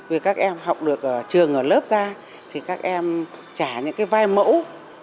vì các em học được trường ở lớp ra thì các em trả những cái vai mẫu